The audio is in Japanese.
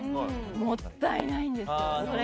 もったいないんです。